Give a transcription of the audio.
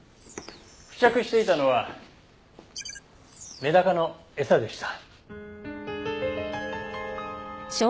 付着していたのはメダカの餌でした。